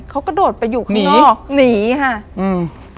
เขากระโดดไปอยู่ข้างนอกหนีค่ะอืม